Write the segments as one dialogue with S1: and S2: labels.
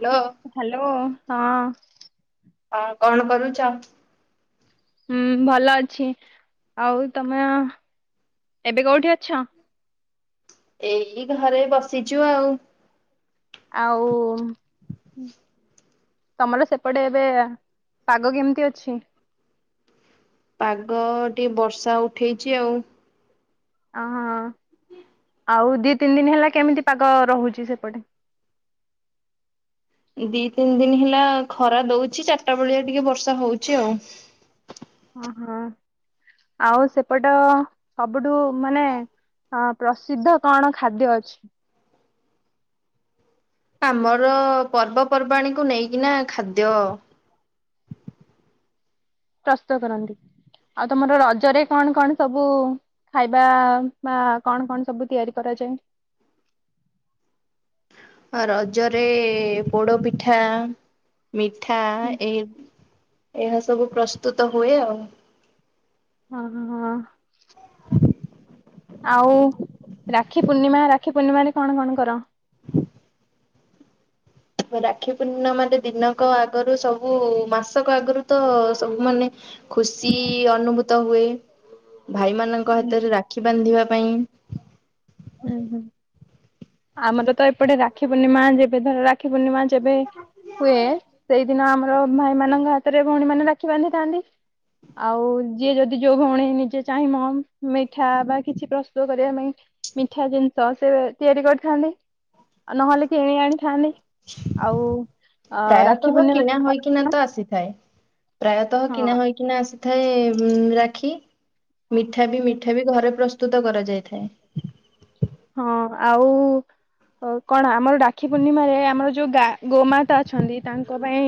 S1: Hello
S2: hello ହଁ।
S1: ହଁ କଣ କରୁଚ?
S2: ହୁଁ ଭଲ ଅଛି ଆଉ ତମେ ଏବେ କୋଉଠି ଅଛ?
S1: ଏଇ ଘରେ ବସିଛୁ ଆଉ।
S2: ଆଉ ତମର ସେପଟେ ଏବେ ପାଗ କେମିତି ଅଛି?
S1: ପାଗ ଟିକେ ବର୍ଷା ଉଠେଇଚ ଆଉ।
S2: ଓ ହୋ। ଆଉ ଦି ତିନି ଦିନ ହେଲା କେମିତି ପାଗ ରହୁଛି ସେପଟେ?
S1: ଦି ତିନି ଦିନ ହେଲା ଖରା ଦଉଛି ଚାରିଟା ବେଳିଆ ଟିକେ ବର୍ଷା ହଉଛି ଆଉ।
S2: ଓ ହୋ ଆଉ ସେପଟ ସବୁଠୁ ମାନେ ହଁ ପ୍ରସିଦ୍ଧ କଣ ଖାଦ୍ୟ ଅଛି?
S1: ଆମର ପର୍ବପର୍ବାଣୀକୁ ନେଇକିନା ଖାଦ୍ୟ
S2: ପ୍ରସ୍ତୁତ କରନ୍ତି। ଆଉ ତମର ରଜରେ କଣ କଣ ସବୁ ଖାଇବା ବା କଣ କଣ ସବୁ ତିଆରି କରାଯାଏ?
S1: ରଜରେ ପୋଡ ପିଠା। ମିଠା ଏଇ ଏହା ସବୁ ପ୍ରସ୍ତୁତ ହୁଏ ଆଉ।
S2: ହଁ ହଁ। ଆଉ ରାକ୍ଷୀ ପୂର୍ଣ୍ଣିମା ରାକ୍ଷୀ ପୂର୍ଣ୍ଣିମାରେ କଣ କଣ କର?
S1: ରାକ୍ଷୀ ପୂର୍ଣ୍ଣମାରେ ଦିନକ ଆଗରୁ ସବୁ ମାସକ ଆଗରୁ ତ ସବୁ ମାନେ ଖୁସି ଅନୁଭୂତ ହୁଏ। ଭାଇମାନଙ୍କ
S2: ହୁଁ
S1: ହାତରେ ରାକ୍ଷୀ ବାନ୍ଧିବା ପାଇଁ।
S2: ହୁଁ ହୁଁ। ଆମର ତ ଏପଟେ ରାକ୍ଷୀ ପୂର୍ଣ୍ଣିମା ଯେବେ ଧର ରାକ୍ଷୀ ପୂର୍ଣ୍ଣିମା ଯେବେ ହୁଏ ସେଇଦିନ ଆମର ଭାଇ ମାନଙ୍କ ହାତରେ ଭଉଣୀ ମାନେ ରାକ୍ଷୀ ବାନ୍ଧିଥାନ୍ତି। ଆଉ ଯିଏ ଯଦି ଯୋଉ ଭଉଣୀ ନିଜେ ଚାହିଁବ ମିଠା ବା କିଛି ପ୍ରସ୍ତୁତ କରିବା ପାଇଁ ମିଠା ଜିନିଷ ସେ ତିଆରି କରିଥାନ୍ତି ଆଉ ନହେଲେ କି କିଣି ଆଣିଥାନ୍ତି। ଆଉ ଅ ରାକ୍ଷୀ
S1: ପ୍ରାୟତଃ କିଣା
S2: ପୂର୍ଣ୍ଣିମା
S1: ହୋଇକିନା ତ ଆସିଥାଏ। ପ୍ରାୟତଃ କିଣା
S2: ହଁ
S1: ହୋଇକିନା ଆସିଥାଏ ରାକ୍ଷୀ। ମିଠା ବି ମିଠା ବି ଘରେ ପ୍ରସ୍ତୁତ କରାଯାଇଥାଏ।
S2: ହଁ ଆଉ। ଅ କଣ ଆମର ରାକ୍ଷୀ ପୂର୍ଣ୍ଣିମାରେ ଆମର ଯୋଉ ଗା ଗୋମାତା ଅଛନ୍ତି ତାଙ୍କ ପାଇଁ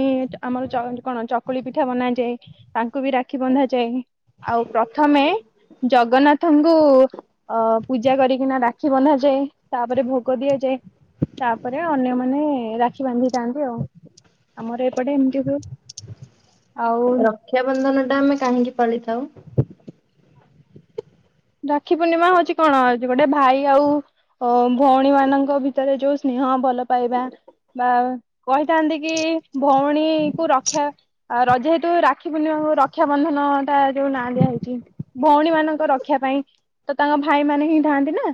S2: ଆମର କଣ ଚକୁଳି ପିଠା ବନାଯାଏ ତାଙ୍କ କୁ ବି ରାକ୍ଷୀ ବନ୍ଧାଯାଏ ଆଉ ପ୍ରଥମେ ଜଗନ୍ନାଥ ଙ୍କୁ ଅ ପୂଜା କରିକିନା ରାକ୍ଷୀ ବନ୍ଧାଯାଏ ତାପରେ ଭୋଗ ଦିଆଯାଏ। ତାପରେ ଅନ୍ୟମାନେ ରାକ୍ଷୀ ବାନ୍ଧିଥାନ୍ତି ଆଉ। ଆମର ଏପଟେ ଏମିତି ହୁଏ। ଆଉ
S1: ରକ୍ଷାବନ୍ଧନ ଟା ଆମେ କାହିଁକି ପାଳିଥାଉ?
S2: ରାକ୍ଷୀ ପୂର୍ଣ୍ଣିମା ହଉଛି କଣ ଗୋଟେ ଭାଇ ଆଉ ଭଉଣୀ ମାନଙ୍କ ଭିତରେ ଯୋଉ ସ୍ନେହ। ହଁ ଭଲ ପାଇବା। ବା କହିଥାନ୍ତି କି ଭଉଣୀ କୁ ରକ୍ଷା ଆଉ ରଜ ହେତୁ ରାକ୍ଷୀ ପୂର୍ଣି ମା ରକ୍ଷାବନ୍ଧନ ଟା ଯୋଉ ନାଁ ଦିଆଯାଇଛି ଭଉଣୀ ମାନଙ୍କ ରଖା ପାଇଁ ତ ତାଙ୍କ ଭାଇ ମାନେ ହିଁ ଥାଆନ୍ତି ନା।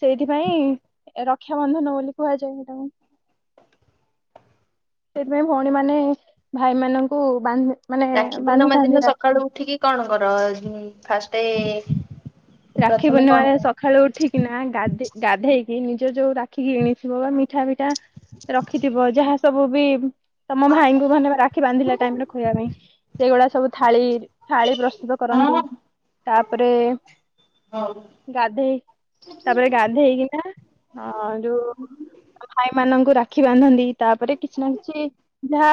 S2: ସେଇଥିପାଇଁ ରକ୍ଷାବନ୍ଧନ ବୋଲି କୁହାଯାଏ ସେଇଟାକୁ। ସେଥିପାଇଁ ଭଉଣୀ ମାନେ ଭାଇମାନଙ୍କୁ ବାନ୍ଧି ମାନେ
S1: ରାକ୍ଷୀ ପୂର୍ଣ୍ଣିମା ଦିନ
S2: ବାନ୍ଧିଥାନ୍ତି ରାକ୍ଷୀ
S1: ସକାଳୁ ଉଠିକି କଣ କର ଫାଷ୍ଟ
S2: ରାକ୍ଷୀ ପୂର୍ଣ୍ଣିମାରେ ସକାଳୁ ଉଠିକିନା ଗା ଗାଧେଇ ସେଇ ନିଜ ଯୋଉ ରାଖିକି କିଣିଥିବ ବା ମିଠା ଫିଠା ରଖିଥିବ ଯାହା ସବୁ ବି ତମ ଭାଇଙ୍କୁ ମାନେ ରାକ୍ଷୀ ବାନ୍ଧିଲା ଟାଇମ ରେ ଖୁଇବା ପାଇଁ ସେଇଗୁଡା ସବୁ ଥାଳି ଥାଳି ପ୍ରସ୍ତୁତ କରନ୍ତି ତାପରେ ଗାଧୋଇ ତାପରେ ଗାଧେଇଇକିନା ଯୋଉ ଭାଇ ମ ରାକ୍ଷୀ ବାନ୍ଧନ୍ତି ତାପରେ କିଛି ନା କିଛି ଯାହା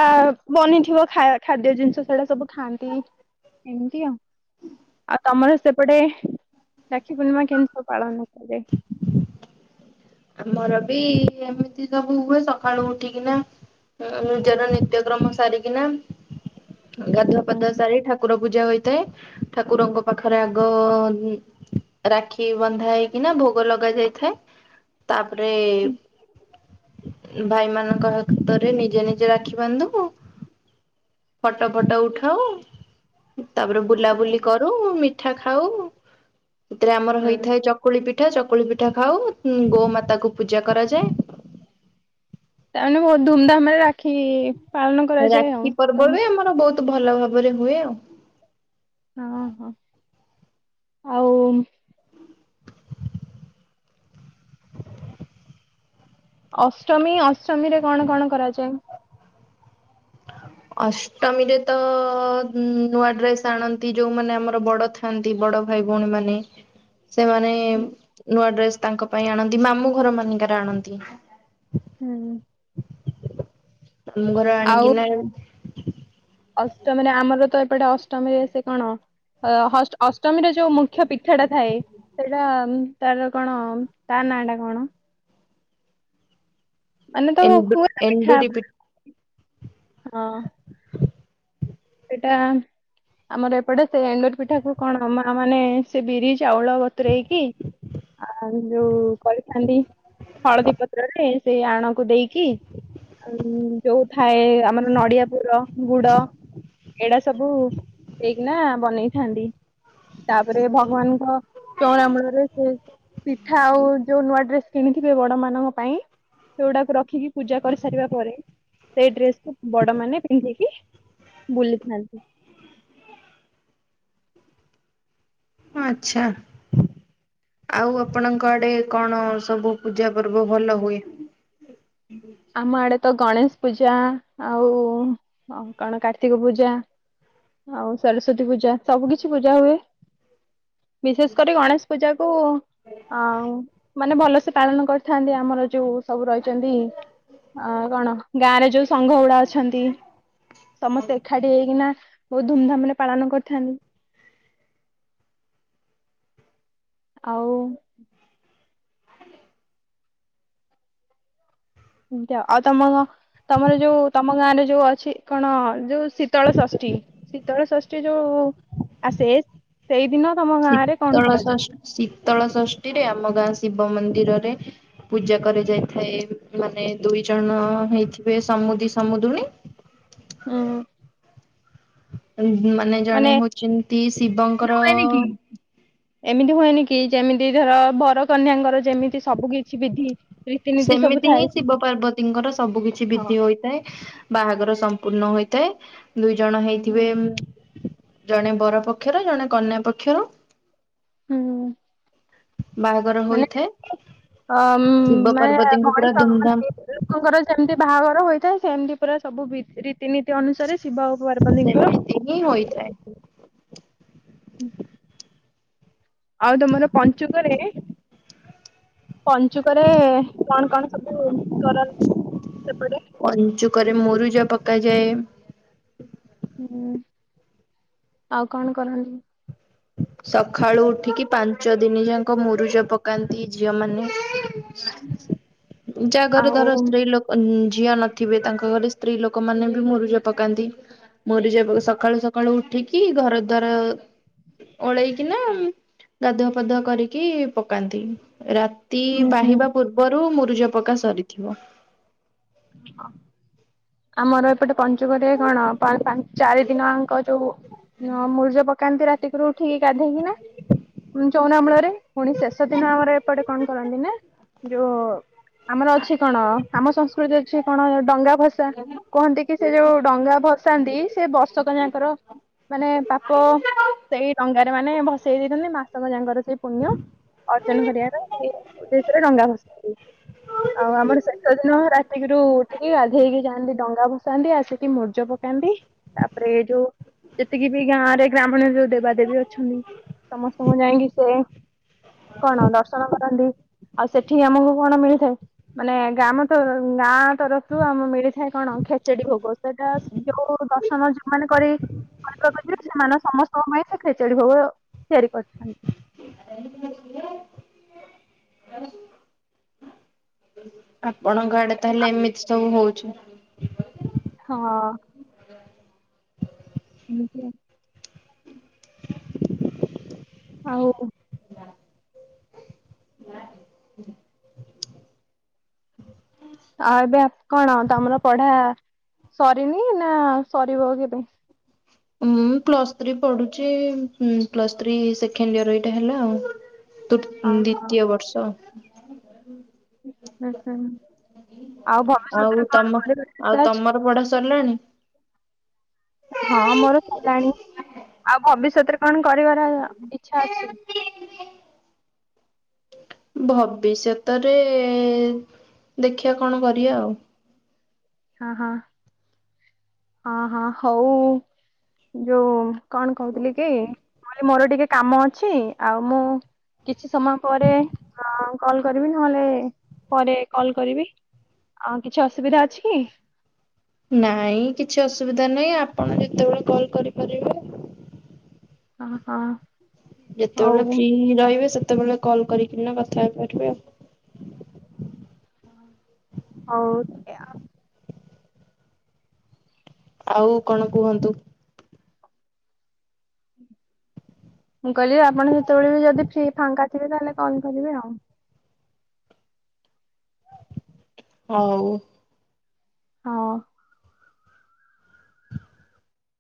S2: ବନିଥିବ ଖାଦ୍ୟ ଜିନିଷ ସେ ସବୁ ଖଆନ୍ତି ଏମିତି ଆଉ ଆଉ ତମର ସେପଟେ ରାକ୍ଷି ପୁଣିମା କେମତୀ ସବୁ ପାଳନ କରା ଯାଏ?
S1: ଆମର ବି ଏମିତି ସବୁ ହୁଏ ସକାଳୁ ଉଠିକିନା ନିଜର ନିତ୍ୟକ୍ରମ ସାରିକିନା ଗାଧୁଆ
S2: ହୁଁ
S1: ପାଧୁଆ ସାରି ଠାକୁର ପୂଜା ହୋଇଥାଏ ଠାକୁରଙ୍କ ପାଖରେ ଆଗ ରାକ୍ଷୀ ବନ୍ଧା ହେଇକି ନା ଭୋଗ ଲଗା ଯାଇଥାଏ। ତାପରେ ଭାଇମାନଙ୍କ ହାତରେ ନିଜେ ନିଜେ ରାକ୍ଷୀ ବାନ୍ଧୁ। ଫଟୋ ଫଟ ଉଠାଉ। ତାପରେ ବୁଲାବୁଲି କରୁ ମିଠା ଖାଉ ଏଥିରେ ଆମର
S2: ହୁଁ
S1: ହେଇଥାଏ ଚକୁଳି ପିଠା ପିଠା ଚକୁଳି ପିଠା ଖାଉ ଗୋମାତା କୁ ପୂଜା କରାଯାଏ।
S2: ତାମାନେ ବହୁତ ଧୁମଧାମ ରେ ରାଖି
S1: ରାକ୍ଷୀ ପର୍ବ ବି ଆମର ବହୁତ ଭଲ ଭାବରେ ହୁଏ ଆଉ।
S2: ହଁ ହଁ ଆଉ ଅଷ୍ଟମୀ ଅଷ୍ଟମୀରେ କଣ କଣ କରାଯାଏ?
S1: ଅଷ୍ଟମୀରେ ତ ନୂଆ ଡ୍ରେସ ଆଣନ୍ତି ଯୋଉମାନେ ଆମର ବଡ ଥାଆନ୍ତି ବଡ ଭାଇ ଭଉଣୀ ମାନେ ସେମାନେ ନୂଆ ଡ୍ରେସ ତାଙ୍କ ପାଇଁ ଆଣନ୍ତି ମାମୁଁ ଘର ମାନଙ୍କରେ ଆଣନ୍ତି।
S2: ହୁଁ।
S1: ମୁଁ ଘର
S2: ଆଉ
S1: ଆଣିକିନା
S2: ଅଷ୍ଟମୀରେ ଆମର ତ ଏପଟେ ଅଷ୍ଟମୀରେ ସେ କଣ ଅଷ୍ଟମୀର ଯୋଉ ମୁଖ୍ୟ ପିଠାଟା ଥାଏ ସେଇଟା ତାର କଣ ତ ନାଁ ଟା କଣ? ମାନେ ତ
S1: ଏଣ୍ଡୁ
S2: ଖଛ
S1: ଏଣ୍ଡୁରି ପି
S2: ହଁ ସେଟା ଆମର ଏପଟେ ସେ ଏଣ୍ଡର ପିଠା କ କଣ ମା ମାନେ ସେ ବିରି ଚାଉଳ ବତରେଇକି ଆଉ କଳି ଚାଣ୍ଡଡି ହଳଦୀ ପତ୍ରରେ ସେଇ ଆଣକୁ ଦେଇକି ଯୋଉ ଥାଏ ଆମର ନଡିଆ ପୁର ଗୁଡ ଏଇଡା ହାନ୍ତି। ତାପରେ ଭଗବାନଙ୍କ ଚଉରାମ୍ମୂଳ ରେ ସେ ପିଠା ଆଉ ଯୋଉ ନୂଆ ଡ୍ରେସ କିଣିଥିବେ ବଡ ମାନଙ୍କ ପାଇଁ ସେଗୁଡାକୁ ରଖିକି ପୂଜା କରିସାରିବା ପରେ ସେଇ ଡ୍ରେସକୁୁ ବଡ ମାନେ ପିନ୍ଧିକି ବୁଲିଥାନ୍ତି।
S1: ଆଛା। ଆଉ ଆପଣଙ୍କ ଆଡେ କଣ ସବୁ ପୂଜା ପର୍ବ ଭଲ ହୁଏ?
S2: ଆମ ଆଡ ତ ଗଣେଶ ପୂଜା ଆଉ କଣ କାର୍ତ୍ତିକ ପୂଜା ଆଉ ସରସ୍ଵତୀ ପୂଜା ସବୁ କିଛି ପୂଜା ହୁଏ। ବିଶେଷ କରି ଗଣେଶ ପୂଜା କୁ ଅ ମାନେ ଭଲସେ ପାଳନ କରି ଥାନ୍ତି ଆମର ଯୋଉ ସବୁ ରହିଛନ୍ତି ଅ କଣ ଗାଁରେ ଯୋଉ ସଂଘ ଉୁଡା ଅଛନ୍ତି ସମସ୍ତେ ଏକାଠି ହେଇକିନା ବହୁତ ଧୁମଧାମ ରେ ପାଳନ କରିଥାନ୍ତି। ଆଉ। ଏମତି ଆ ଆଉ ତମ ତମର ଯୋଉ ତମ ଗାଁରେ ଯୋଉ ଅ କଣ ଯୋଉ ଶୀତଳ ଷଷ୍ଠୀ ଶୀତଳ ଷଷ୍ଠୀ। ଯୋଉ ଆସେଷ ସେଇଦିନ ତମ ଗାଁ ରେ କଣ
S1: ଶୀତଳ
S2: କରାଯାଏ?
S1: ଷଷ୍ଠୀ ଶୀତଳ ଷଷ୍ଠୀରେ ଆମ ଗାଁ ଶିବ ମନ୍ଦିର ମନ୍ଦିରରେ ପୂଜା କରାଯ ଯାଇଥାଏ ମାନେ ଦୁଇ ଜଣ ହେଇଥିବେ ସମୁଦି ସମୁଦୁଣି
S2: ହଁ।
S1: ମାନେ ଜଣେ ହଉଛନ୍ତି ଶିବଙ୍କର
S2: ହୁଏନି କି ଏମିତି ହୁଏନି କି ଯେମିତି ଧର ବରକନ୍ୟାଙ୍କର ଯେମିତି ସବୁ କିଛି ବିଧି। ରୀତିନୀତି ସବୁ
S1: ସେମିତି ହିଁ
S2: ଥାଏ
S1: ଶିବ ପାର୍ବତୀଙ୍କର ସବୁ କିିଛି
S2: ହଁ
S1: ବିଧି ହୋଇଥାଏ ବାହାଘର। ପୂର୍ଣ୍ଣ ହୋଇଥାଏ ଦୁଇ ଜଣ ହେଇଥିବେ ଜଣେ ବର ପକ୍ଷର ଜଣେ କନ୍ୟା ପକ୍ଷର।
S2: ହୁଁ।
S1: ଆର
S2: ମାନେ
S1: ହୋଇଥାଏ।
S2: ଅ
S1: ଶିବ
S2: ମାନେ
S1: ପାର୍ବତୀଙ୍କୁ ପୁରା
S2: ମଣିଷ ମାନେ
S1: ଧୁମଧାମ
S2: ଲୋକଙ୍କର ଯେମିତି ବାହାଘର ହୋଇଥାଏ। ସେମତି ପାରା ସବୁ ରିତି ନୀତି ଅନୁସାରେ ଶିବ ଓ ପାରପନ୍ଦୀଙ୍କର
S1: ସେମିତି ହିଁ ହୋଇଥାଏ।
S2: ହୁଁ। ଆଉ ତମର ପଞ୍ଚୁକରେ ପଞ୍ଚୁକରେ କଣ କଣ ସବୁ କରନ୍ତି ସେପଟେ?
S1: ମୋରୁ ଯା ପକାାଯଏ।
S2: ହୁଁ ଆଉ କଣ କରନ୍ତି?
S1: ସବୁ। ସଖାଳୁ ଉଠିକି ପାଞ୍ଚ ଦିନ ଯାକ ମୁରୁଜ ପକାନ୍ତି ଝିଅ ମାନେ ଯାହା ଘରେ
S2: ଆଉ
S1: ଧର ସ୍ତ୍ରୀ ଲୋକ ଝିଅ ନଥିବେ ତାଙ୍କ ଘରେ ସ୍ତ୍ରୀ ଲୋକ ମାନେ ବି ମରିଜ ପକାନ୍ତି ମରିଜ ସକାଳୁ ସକାଳୁ ଉଠିକି ଘର ଦଵାର ଓଳେଇକି ନା ଗାଧୁଆ ଫଧ କରିକି ପକାନ୍ତି। ରାତି
S2: ହୁଁ
S1: ପାହିବା
S2: ହୁଁ
S1: ପୂର୍ବରୁ ମୁରୁଜ ପକା ସରିଥିବ।
S2: ହଁ। ଆମର ଏପଟେ ପଞ୍ଚକଆ କଣ ଚାରି ଦିନଜାଙ୍କ ଯୋଉ ହ ମୂରିଜ ପକାନ୍ତି ରାତିକୁରୁ ଠିକ ଗାଧେଇକି ନା। ଚଉନାମୂଳରେ ପୁଣି ଶେଷ ଦିନ ଆମର ଏପଟେ କଣ କରନ୍ତି ନ? ଯୋଉ ଆମର ଅଛି କଣ ଆମ ସଂସ୍କୃତି ଅଛି କଣ ଡଙ୍ଗା ଭାଷା। କୁହନ୍ତି କି ସେ ଯୋଉ ଡଙ୍ଗା ଭସାନ୍ତି ସେ ବର୍ଷକ ଯାଙ୍କର ମାନେ ପାପ ସେଇ ଡଙ୍ଗାରେ ମାନେ ଭସେଇ ଦେଇଛନ୍ତି ମାସଙ୍କ ଯାଙ୍କର ସେଇ ପୁଣ୍ୟ ଅର୍ଜନ କରିବାର ସେ ଉଦେଶରେ ଡଙ୍ଗା ଭସନ୍ତି ଆଉ ଆମର ଶେଷ ଦିନ ରାତିକିରୁ ଉଠିକି ଗାଧେଇକି ଯାଆନ୍ତି ଡଙ୍ଗା ଭସେ ନ୍ତି ଆସିକି ମର୍ଜ ପକାନ୍ତି ତାପରେ ଏ ଯୋଉ ଯେତିକି ବି ଗାଁ ରେ ଗ୍ରାମୀଣ ଯୋଉ ଦେବାଦେବୀ ଅଛନ୍ତି ସମସ୍ତଙ୍କୁ ଯାଇକି ସେ କଣ ଦର୍ଶନ କରନ୍ତି ଆଉ ସେଠିକି ଆମକୁ କଣ ମିଳିଥାଏ ମାନେ ଗ୍ରାମ ତ ଗାଁ ତରଫରୁ ଆମ ମିଳିଥାଏ କଣ ଖେଚେଡି ଭୋଗ ସେଟା ଯୋଉ ଦର୍ଶନ ଯୋଉମାନେ କରି ମ ପ୍ରକତିରେ ସେମାନେ ସମସ୍ତଙ୍କ ପାଇଁ ସେ ଖେଚଡି ଭୋଗ ତିଆରି କରିୁଛନ୍ତି।
S1: ଆପଣଙ୍କ ଆଡେ ତାହେଲେ ଏମିତି ସବୁ ହଉଚି?
S2: ହଁ ଏମିତି ଆଉ। ହଉ। ଆଉ ଏବେ କଣ ତମର ପଢା ସରିନି ନା ସରିଭ କେବେ?
S1: ମୁଁ ପ୍ଲସ୍ ଥ୍ରୀ ପଢୁଛି ହୁଁ ପ୍ଲସ୍ ଥ୍ରୀ ସେକେଣ୍ଡ ଇୟର ଏଇଟା ହେଲା ଆଉ। ତୃ
S2: ହଁ ହଁ
S1: ଦ୍ୱିତୀୟ ବର୍ଷ।
S2: ହୁଁ ହୁଁ ଆଉ ଭବିଷ୍ୟତରେ
S1: ଆଉ
S2: କଣ
S1: ତମ
S2: କରିବାର ଇଚ୍ଛା
S1: ଆଉ
S2: ଅଛି?
S1: ତମର ପଢା ସରିଲାଣି।
S2: ହଁ ମୋର ସଲାଣୀ ଆଉ ଭବିଷ୍ୟତରେ କଣ କରିବାର ଇଛା ଅଛି।
S1: ଭବିଷ୍ୟତରେ ଦେଖିବା କଣ କରିବା ଆଉ।
S2: ହଁ ହଁ। ହଁ ହଁ ହଉ ଯୋଉ କଣ କହୁଥିଲି କି? [unintelligible] ମୋର ଟିକେ କାମ ଅଛି ଆଉ ମୁଁ କିଛି ସମୟ ପରେ ହଁ କଲ୍ କରିବି ନହେଲେ ପରେ କଲ କରିବି। ଆଉ କିଛି ଅସୁବିଧା ଅଛି କି?
S1: ନାଇଁ କିଛି ଅସୁବିଧା ନାହିଁ ଆପଣ ଯେତେବେଳେ କଲ କରିପାରିବେ।
S2: ହିଁ ହଁ।
S1: ଯେତେବେଳେ
S2: ହଉ
S1: ଫ୍ରି ରହିବେ ସେତେବେଳେ କଲ୍ କରିକିନା କଥା ହେପାରିବେ ଆଉ।
S2: ହୋଉ। [unintelligible]
S1: ଆଉ କଣ କୁହନ୍ତୁ।
S2: ହ ମୁଁ କହିଲି ଆପଣ ସେତେବେଳେ ଯଦି ଫ୍ରୀ ଫାଙ୍କା ଥିବେ ତାହେଲେ କଲ କରିବେ ଆଉ।
S1: ହଉ।
S2: ହଉ।